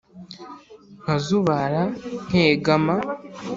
nkazubara nkegama